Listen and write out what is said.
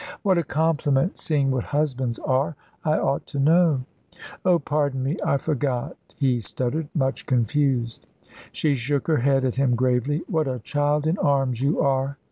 "What a compliment, seeing what husbands are! I ought to know." "Oh, pardon me I forgot," he stuttered, much confused. She shook her head at him gravely. "What a child in arms you are!"